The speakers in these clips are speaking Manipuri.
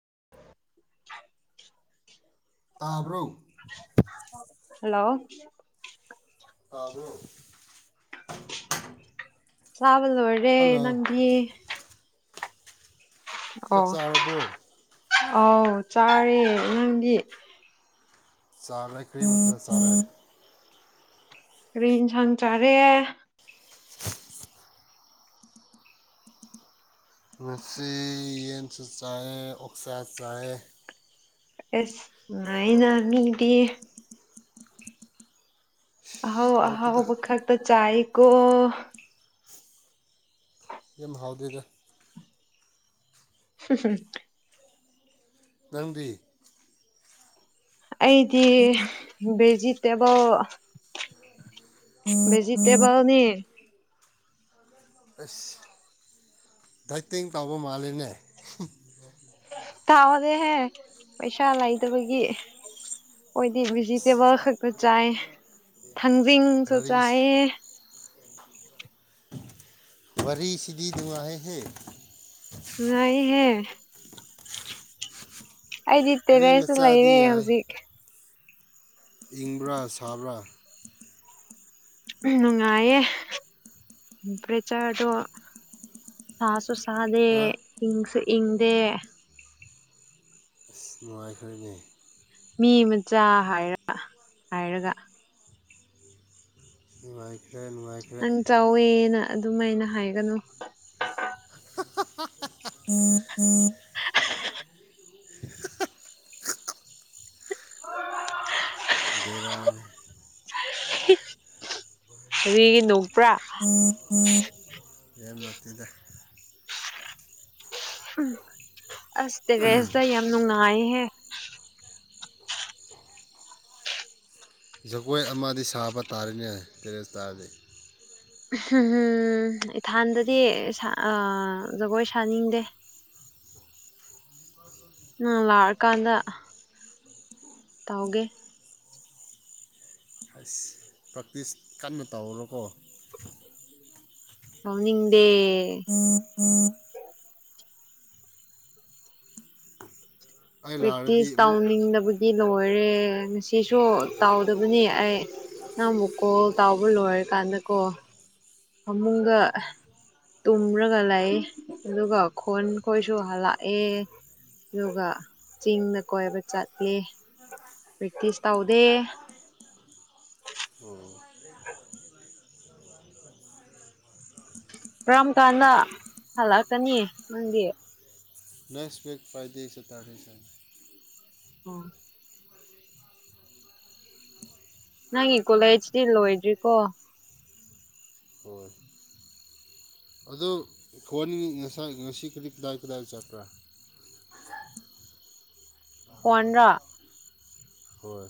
[inaudible] ꯇꯥꯕ꯭ꯔꯣ [inaudible] ꯇꯥꯕ꯭ꯔꯣ ꯆꯥꯕ ꯂꯣꯏꯔꯦ ꯅꯪꯗꯤ ꯑꯣ ꯆꯥꯛ ꯆꯥꯔꯕ꯭ꯔꯣ ꯑꯥꯎ ꯆꯥꯔꯦ ꯅꯪꯗꯤ ꯆꯥꯒꯔꯦ ꯀꯔꯤ ꯃꯊꯦꯜ ꯆꯥꯔꯦ ꯀꯔꯤ ꯏꯟꯁꯥꯡ ꯆꯥꯔꯦ ꯉꯁꯤ ꯌꯦꯟꯁꯨ ꯆꯥꯏ ꯑꯣꯛꯁꯥ ꯆꯥꯏ ꯑꯦꯁ ꯅꯨꯉꯥꯢꯅ ꯃꯤꯗꯤ ꯑꯍꯥꯎ ꯑꯍꯥꯎꯕ ꯈꯛꯇ ꯆꯥꯏꯀꯣ ꯌꯥꯝ ꯍꯥꯎꯗꯦꯗ [unintelligible] ꯅꯪ ꯗꯤ ꯑꯩꯗꯤ ꯚꯦꯖꯤꯇꯦꯕꯜ ꯚꯦꯖꯤꯇꯦꯕꯂꯅꯤ ꯑꯦꯁ ꯗꯥꯏꯇꯤꯡ ꯇꯥꯎꯕ ꯃꯥꯜꯂꯦꯅꯦ ꯇꯥꯎꯗꯦꯍꯦ ꯄꯩꯁꯥ ꯂꯩꯇꯕꯒꯤ ꯑꯣꯏꯗꯤ ꯚꯤꯖꯤꯇꯦꯕꯜ ꯈꯛꯇ ꯆꯥꯏ ꯊꯪꯖꯤꯡ ꯁꯨ ꯆꯥꯌꯦ ꯋꯥꯔꯤꯁꯤꯗꯤ ꯅꯨꯡꯉꯥꯢꯑꯦꯍꯦ ꯅꯨꯡꯉꯥꯏꯍꯦ ꯑꯩꯗꯤ ꯇꯦꯔꯦꯁꯇꯥ ꯂꯩꯔꯦ ꯍꯧꯖꯤꯛ ꯏꯪꯕ꯭ꯔꯥ ꯁꯕ꯭ꯔꯥ ꯅꯨꯡꯉꯥꯏꯌꯦ ꯇꯦꯝꯄꯔꯦꯆꯔꯗꯣ ꯁꯥꯁꯨ ꯁꯗꯦ ꯏꯪꯁꯨ ꯏꯪꯗꯦ ꯑꯁ ꯅꯨꯡꯉꯥꯏꯈ꯭ꯔꯅꯦ ꯃꯤ ꯃꯆꯥ ꯍꯥꯏꯔ ꯍꯥꯏꯔꯒ [unintelligible] ꯅꯪ ꯆꯥꯎꯋꯦꯅ ꯑꯗꯨꯝꯥꯏꯅ ꯍꯥꯏꯒꯅꯨ [unintelligible] ꯕꯦꯔꯥꯅꯤ ꯀꯔꯤꯒꯤꯅꯣ [unintelligible] ꯑꯁ ꯇꯦꯔꯦꯁꯇ ꯌꯥꯝ ꯅꯨꯡꯉꯥꯏꯍꯦ ꯖꯒꯣꯏ ꯑꯃꯗꯤ ꯁꯥꯕ ꯇꯥꯔꯤꯅꯦ ꯇꯦꯔꯦꯁ ꯇꯥꯔꯗꯤ ꯎꯝꯝ ꯏꯊꯥꯟꯗꯗꯤ ꯁꯥ ꯑꯥ ꯖꯒꯣꯏ ꯁꯥꯅꯤꯡꯗꯦ ꯎꯝ ꯅꯪ ꯂꯥꯛꯑꯀꯥꯟꯗ ꯇꯧꯒꯦ ꯄ꯭ꯔꯦꯛꯇꯤꯁ ꯀꯟꯅ ꯇꯧꯔꯣꯀꯣ ꯇꯧꯅꯤꯡꯗꯦ [unintelligible] ꯄꯔꯦꯛꯇꯤꯏꯁ ꯇꯥꯎꯅꯤꯗꯕ ꯂꯣꯏꯔꯦ ꯉꯁꯤꯁꯨ ꯇꯥꯎꯗꯕꯅꯤ ꯑꯩ ꯅꯪꯕꯨꯛ ꯀꯣꯜ ꯇꯥꯎꯕ ꯂꯣꯏꯔꯀꯥꯟꯗꯀꯣ ꯐꯃꯨꯡꯒ ꯇꯨꯝꯔꯒ ꯂꯩ ꯑꯗꯨꯒ ꯈꯣꯟ ꯈꯣꯏꯁꯨ ꯍꯜꯂꯛꯑꯦ ꯑꯗꯨꯒ ꯆꯤꯡꯗ ꯀꯣꯏꯕ ꯆꯠꯂꯦ ꯄ꯭ꯔꯦꯛꯇꯤꯁ ꯇꯧꯗꯦ [inaudible] ꯀꯔꯝ ꯀꯥꯟꯗ ꯍꯜꯂꯛꯀꯅꯤ ꯅꯪꯗꯤ ꯅꯦꯁ ꯋꯤꯛ ꯐꯔꯥꯏꯗꯦ ꯁꯦꯠꯔꯗꯦ ꯁꯟ ꯑꯣ ꯅꯪꯒꯤ ꯀꯣꯂꯦꯖꯇꯤ ꯂꯣꯏꯗ꯭ꯔꯤꯕꯣ ꯑꯗꯨ ꯐꯣꯟ ꯉꯁꯥꯏ ꯉꯁꯤ ꯀꯗꯥꯏ ꯀꯗꯥꯏ ꯆꯠꯄ꯭ꯔꯥ ꯐꯣꯜꯔꯥ ꯍꯣꯏ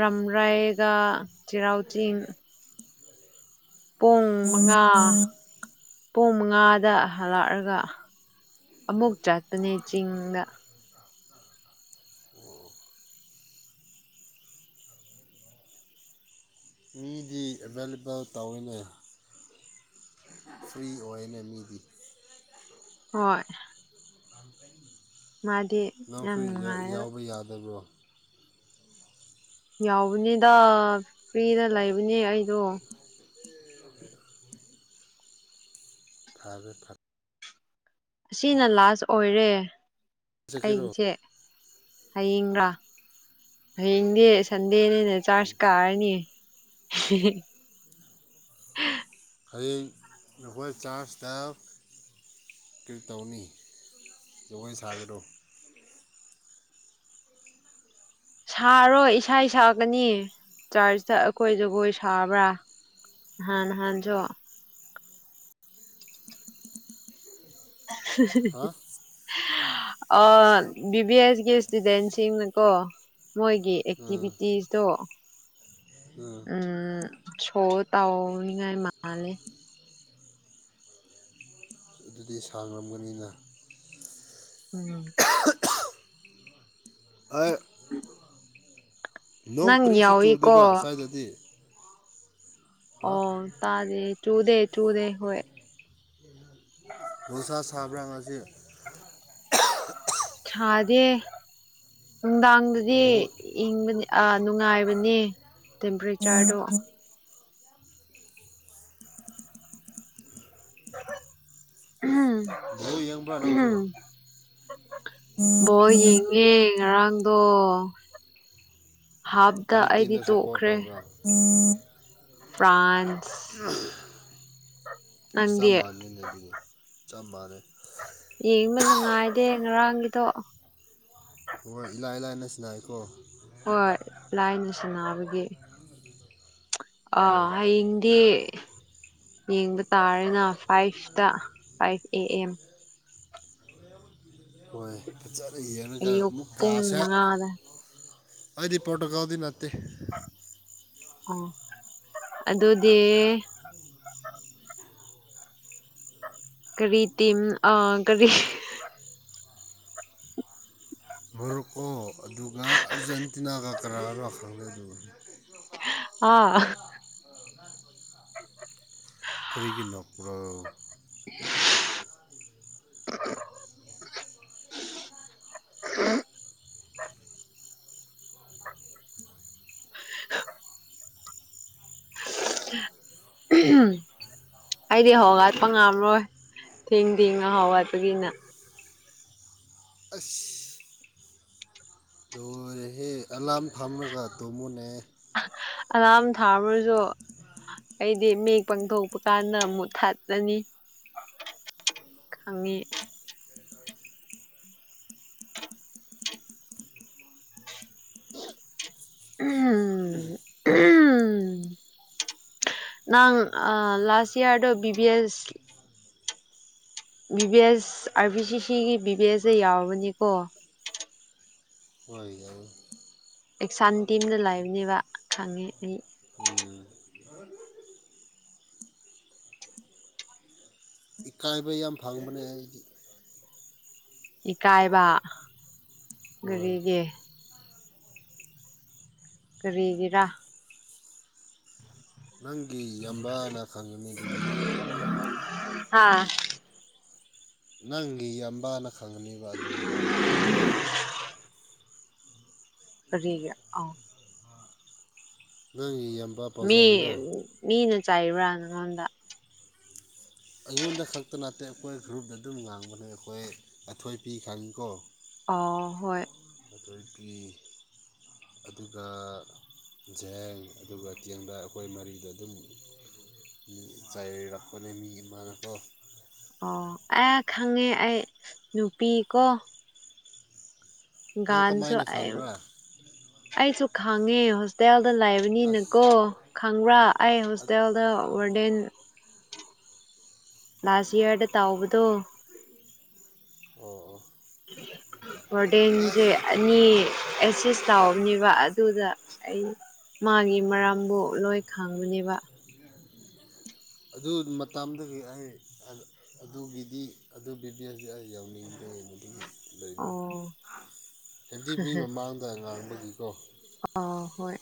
ꯔꯝꯔꯩꯏꯒ ꯆꯩꯔꯥꯎꯆꯤꯡ ꯄꯨꯡ ꯃꯉꯥ ꯄꯨꯡ ꯃꯉꯥꯗ ꯍꯜꯂꯛꯑꯒ ꯑꯃꯨꯛ ꯆꯠꯄꯅꯦ ꯆꯤꯡꯗ ꯑꯦꯚꯏꯂꯦꯕꯜ ꯇꯧꯋꯏꯤꯅꯦ ꯍꯣꯏ ꯃꯥꯗꯤ ꯌꯥꯝ ꯅꯪꯁꯨ ꯅꯨꯡꯉꯥꯏꯔ ꯌꯥꯎꯕ ꯌꯥꯗꯕ꯭ꯔꯣ ꯌꯥꯎꯕꯅꯦꯗ ꯐ꯭ꯔꯤꯗ ꯂꯩꯕꯅꯦ ꯑꯩꯗꯣ ꯑꯁꯤꯅ ꯂꯥꯁ ꯑꯣꯏꯔꯦ ꯑꯩꯁꯦ ꯍꯌꯦꯡꯔ ꯍꯌꯦꯡꯗꯤ ꯁꯟꯗꯦꯅꯤꯅ ꯆꯥꯔꯖ ꯀꯥꯔꯅꯤ ꯍ ꯍꯌꯦꯡ ꯅꯈꯣꯏ ꯆꯥꯁꯇꯕ ꯀꯔꯤ ꯇꯧꯅꯤ ꯖꯒꯣꯏ ꯁꯥꯒꯗꯣ ꯁꯥꯔꯣꯏ ꯏꯁꯥ ꯁꯛꯀꯅꯤ ꯆꯔꯆꯇ ꯑꯩꯈꯣꯏ ꯖꯒꯣꯏ ꯁꯥꯕ꯭ꯔꯥ ꯅꯍꯥꯟꯁꯨ [unintelligible] ꯑ ꯕꯤꯕꯤ ꯑꯦꯁꯀꯤ ꯏꯁꯇꯨꯗꯦꯟꯁꯤꯡꯅꯀꯣ ꯃꯣꯏꯒꯤ ꯑꯦꯛꯇꯤꯚꯤꯇꯤꯁꯇꯣ ꯎꯝ ꯁꯣ ꯇꯧꯅꯤꯡꯉꯥꯏ ꯃꯥꯅꯦ ꯑꯗꯨꯗꯤ ꯁꯥꯡꯔꯝꯒꯅꯤꯅ ꯎꯝ ꯑꯥ ꯅꯣꯡ ꯅꯪ ꯀꯔꯤꯁꯨ ꯌꯥꯎꯏꯀꯣ ꯆꯨꯗꯦꯕ ꯁ꯭ꯋꯥꯏꯗꯗꯤ ꯑꯣ ꯇꯔꯦ ꯆꯨꯗꯦ ꯆꯨꯗꯦ ꯍꯣꯏ ꯅꯨꯡꯁꯥ ꯁꯥꯕ꯭ꯔꯥ ꯉꯁꯤ ꯁꯥꯗꯦ ꯅꯨꯡꯗꯥꯡꯗꯗꯤ ꯏꯪꯕꯅꯦ ꯑꯥ ꯅꯨꯡꯉꯥꯏꯕꯅꯦ ꯇꯦꯝꯄꯔꯦꯆꯔꯗꯣ ꯎꯝ ꯌꯦꯡꯕ꯭ꯔꯥ ꯅꯪꯁꯨ ꯕꯣꯜ ꯌꯦꯡꯉꯦ ꯉꯔꯥꯡꯗꯣ ꯍꯥꯞꯇ ꯑꯩꯗꯤ ꯇꯣꯛꯈ꯭ꯔꯦ ꯐ꯭ꯔꯥꯟꯁ ꯑꯁ ꯅꯪꯗꯤ ꯆꯞ ꯃꯥꯟꯅꯅꯤꯅꯦ ꯑꯗꯨꯗꯤ ꯆꯞ ꯃꯥꯟꯅꯦ ꯌꯦꯡꯕ ꯅꯨꯡꯉꯥꯏꯗꯦ ꯉꯔꯥꯡꯒꯤꯗꯣ ꯍꯣꯏ ꯏꯂꯥꯏ ꯂꯥꯏꯅ ꯁꯤꯜ ꯂꯏꯀꯣ ꯍꯣꯏ ꯂꯥꯏꯅ ꯁꯟꯅꯕꯒꯤ ꯑꯥ ꯍꯌꯦꯡꯗꯤ ꯌꯦꯡꯕ ꯇꯥꯔꯦꯅ ꯐꯥꯏꯚꯇ ꯐꯥꯏꯚ ꯑꯦ ꯑꯦꯝ ꯑꯌꯨꯛ ꯃꯨꯛ ꯄꯨꯡ ꯀꯥꯁꯦ ꯃꯉꯥꯗ ꯑꯩꯗꯤꯄꯣꯔꯇꯒꯥꯜ ꯗ ꯅꯠꯇꯦ ꯑ ꯑꯗꯨꯗꯤ ꯀꯔꯤ ꯇꯤꯝ ꯑꯥ ꯀꯔꯤ ꯑꯔꯖꯦꯟꯇꯤꯅꯥ ꯀ ꯀꯥꯔ ꯈꯪꯟꯗꯦ ꯑꯗꯨꯒ ꯑꯥ ꯀꯔꯤꯒꯤ ꯅꯣꯛꯄ꯭ꯔꯣ [unintelligible] ꯎꯝ ꯑꯩꯗꯤ ꯑꯍꯥꯎ ꯋꯥꯠꯄ ꯉꯥꯝꯔꯣꯏ ꯊꯦꯡ ꯊꯦꯡ ꯉꯍꯥꯎꯋꯥꯄꯒꯤꯅ ꯑꯦꯂꯥꯝ ꯊꯝꯃꯒ ꯇꯨꯃꯨꯅꯦ ꯑꯂꯥꯝ ꯊꯥꯕ꯭ꯔꯁꯨ ꯑꯩꯗꯤ ꯃꯝꯠ ꯄꯥꯡꯊꯣꯛꯄ ꯀꯥꯟꯗ ꯃꯨꯛꯠ ꯊꯥꯠꯂ ꯈꯪꯉꯤ ꯎꯝꯝ ꯅꯪ ꯂꯥꯁ ꯏꯌꯥꯔꯗ B B S B B S R B C ꯁꯤꯒꯤ ꯕꯤ ꯕꯤ ꯑꯦꯁꯁꯦ ꯌꯥꯎꯕꯅꯤꯀꯣ ꯑꯦꯛꯁꯥꯟ ꯇꯤꯝ ꯂꯩꯕꯅꯦꯕ ꯈꯪꯉꯦ ꯑꯩ ꯏꯀꯥꯏꯕ ꯌꯥꯝ ꯐꯪꯕꯅꯦ ꯑꯩꯗꯤ ꯏꯀꯥꯏꯕ ꯒꯥꯔꯤꯒꯤ ꯀꯔꯤꯒꯤꯔ ꯅꯪꯒꯤ ꯌꯥꯝꯕꯥꯅ ꯈꯪꯉꯅꯤ ꯑꯗꯨꯒꯤꯗꯤ ꯍꯥꯥ ꯅꯪꯒꯤ ꯌꯥꯝꯕꯥꯅ ꯈꯪꯉꯅꯤꯕ ꯑꯗꯨꯒꯤ ꯋꯥꯔꯤꯗꯨ ꯀꯔꯤꯒꯤ ꯑꯣ ꯅꯪ ꯌꯥꯝ ꯃꯤ ꯃꯤꯅ ꯆꯥꯏꯕ꯭ꯔꯥ ꯅꯉꯣꯟꯗ ꯑꯩꯉꯣꯟꯗ ꯈꯛꯇ ꯅꯠꯇꯦ ꯑꯩꯈꯣꯏ ꯒ꯭ꯔꯨꯞꯗ ꯑꯗꯨꯝ ꯉꯥꯡꯕꯅꯦ ꯑꯩꯈꯣꯏ ꯑꯊꯣꯏ ꯄꯤ ꯈꯪꯉꯤꯀꯣ ꯑ ꯍꯣꯏ ꯑꯗꯒꯤ ꯑꯗꯨꯒ ꯖꯦꯝꯁ ꯑꯗꯨꯒ ꯇꯦꯡꯕꯥ ꯑꯩꯈꯣꯏ ꯃꯔꯤꯗ ꯑꯗꯨꯝ ꯆꯥꯏꯔꯥꯛꯄꯅꯦ ꯃꯤ ꯑꯃꯅꯀꯣ ꯑꯣ ꯑꯦ ꯈꯪꯉꯦ ꯑꯩ ꯅꯨꯄꯤ ꯀꯣ ꯒꯥꯟꯁꯨ ꯑꯩꯁꯨ ꯈꯥꯡꯉꯦ ꯍꯣꯁꯇꯦꯜ ꯗ ꯂꯥꯏꯕꯅꯤꯅꯀꯣ ꯈꯪꯕ꯭ꯔꯥ ꯑꯩ ꯍꯣꯁꯇꯦꯜꯗ ꯋꯥꯔꯗꯦꯟ ꯂꯥꯁ ꯌꯌꯥꯔꯗ ꯇꯥꯎꯕꯗꯣ [inaudible] ꯋꯔꯗꯦꯟꯁꯦ ꯑꯅꯤ ꯑꯦꯁꯤꯁ ꯇꯧꯕꯅꯦꯕ ꯑꯗꯨꯗ ꯑꯩ ꯃꯥꯒꯤ ꯃꯔꯝꯕꯨ ꯂꯣꯏ ꯈꯥꯡꯕꯅꯦꯕ ꯑꯗꯨ ꯃꯇꯝꯗꯒꯤ ꯑꯩ ꯑꯗꯨꯒꯤꯗꯤ ꯑꯗꯨ ꯕꯤꯕꯤꯑꯁꯗꯤ ꯑꯩ ꯌꯥꯎꯅꯤꯡꯗꯦ [inaudible] ꯂꯩꯅꯤ ꯑꯣ ꯍꯥꯏꯗꯤ ꯃꯤ ꯃꯃꯥꯡꯗ ꯉꯥꯡꯕꯒꯤꯀꯣ ꯑ ꯍꯣꯏ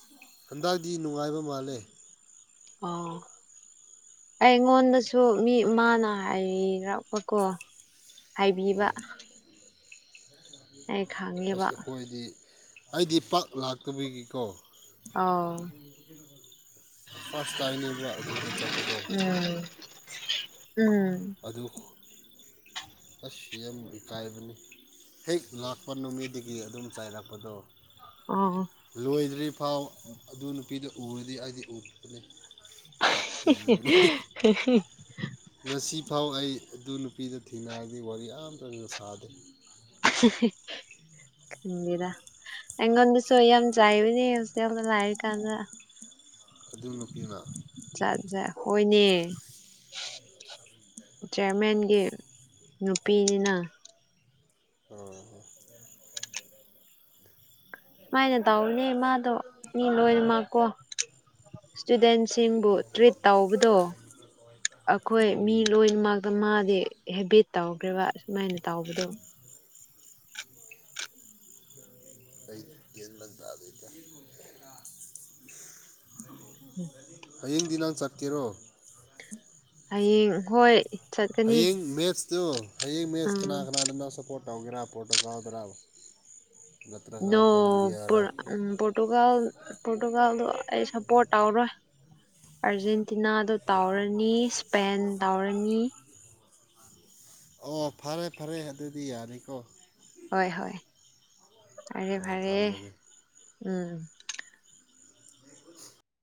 ꯍꯟꯗꯛꯇꯤ ꯅꯨꯡꯉꯥꯏꯕ ꯃꯥꯜꯂꯦ ꯑꯣ ꯑꯩꯉꯣꯟꯗꯁꯨ ꯃꯤ ꯃꯥꯅ ꯍꯥꯏꯔꯛꯄꯀꯣ ꯍꯥꯏꯕꯤꯕ ꯑꯩ ꯈꯪꯉꯦꯕ ꯑꯁ ꯈꯣꯏꯗꯤ ꯑꯩꯗꯤ ꯄꯥꯛ ꯂꯥꯛꯇꯕꯒꯤꯀꯣ ꯑꯧ ꯐꯥꯔꯁ ꯇꯥꯏꯝꯅꯦꯕ ꯑꯗꯨꯗ ꯆꯠꯄꯗꯣ ꯎꯝ ꯎꯝ ꯑꯗꯨ [inaudible] ꯑꯁ ꯌꯥꯝ ꯏꯀꯥꯏꯕꯅꯤ ꯍꯦꯛ ꯂꯥꯛꯄ ꯅꯨꯃꯤꯠꯗꯒꯤ ꯑꯗꯨꯝ ꯆꯩꯏꯔꯛꯄꯗꯣ ꯑꯣ ꯂꯣꯏꯗ꯭ꯔꯤ ꯐꯥꯎ ꯑꯗꯨ ꯅꯨꯄꯤꯗꯨ ꯎꯔꯗꯤ ꯑꯩꯗꯤ ꯎꯕꯅꯤ ꯑ ꯍꯤ ꯍꯤ ꯍꯤ ꯍꯤ ꯉꯁꯤ ꯐꯥꯎ ꯑꯩ ꯑꯗꯨ ꯅꯨꯄꯤꯗꯣ ꯊꯦꯡꯅꯔꯗꯤ ꯋꯥꯔꯤ ꯑꯝꯇꯒ ꯁꯥꯗꯦ ꯍꯤ ꯈꯤꯗꯦꯗ ꯑꯩꯉꯣꯟꯗꯁꯨ ꯌꯥꯝ ꯆꯥꯏꯕꯅꯦ ꯍꯣꯁꯇꯦꯟꯗ ꯂꯥꯢꯔꯤꯀꯥꯟꯗ ꯑꯗꯨ ꯅꯨꯄꯤꯅ ꯖꯥꯠ ꯍꯣꯏꯅꯦ ꯆꯤꯌꯥꯔꯃꯦꯟꯒꯤ ꯅꯨꯄꯤꯅꯤꯅ ꯁꯨꯃꯥꯏꯅ ꯇꯧꯕꯅꯦ ꯃꯥꯗꯣ ꯃꯤ ꯂꯣꯏꯅꯃꯛꯀꯣ ꯏꯁꯇꯨꯗꯦꯟꯁꯤꯡꯕꯨ ꯇ꯭ꯔꯤꯠ ꯇꯧꯕꯗꯣ ꯑꯈꯣꯏ ꯃꯤ ꯂꯣꯏꯅꯃꯛꯇ ꯃꯥꯗꯤ ꯍꯦꯕꯤꯠ ꯇꯧꯈ꯭ꯔꯦꯕ ꯁꯨꯃꯥꯏꯅ ꯇꯧꯕꯗꯣ ꯎꯝ ꯍꯌꯦꯡꯗꯤ ꯅꯪ ꯆꯠꯀꯦꯔꯣ ꯍꯌꯦꯡ ꯍꯣꯏ ꯆꯠꯀꯅꯤ ꯍꯌꯦꯡ ꯃꯦꯠꯆꯇꯨ ꯍꯌꯦꯡ ꯃꯦꯠꯆ ꯎꯝ ꯀꯅꯥ ꯀꯅꯥꯗꯅꯣ ꯁꯞꯄꯣꯔꯠ ꯇꯧꯒꯦꯔꯥ ꯄꯣꯔꯇꯨꯒꯜꯗꯔꯥ ꯅꯣ ꯄꯨꯔ ꯎꯃ ꯄꯣꯔꯇꯨꯒꯜ ꯄ꯭ꯔꯣꯇꯨꯒꯥꯜꯗꯣ ꯑꯩ ꯁꯞꯄꯣꯔꯠ ꯇꯧꯔꯣꯏ ꯑꯥꯔꯖꯦꯟꯇꯤꯅꯥꯗꯣ ꯇꯥꯎꯔꯅꯤ ꯏꯁꯄꯦꯟ ꯇꯥꯎꯔꯅꯤ ꯑꯣ ꯐꯔꯦ ꯐꯔꯦ ꯑꯗꯨꯗꯤ ꯌꯥꯔꯦꯀꯣ ꯍꯣꯏ ꯍꯣꯏ ꯐꯔꯦ ꯐꯔꯦ ꯎꯝ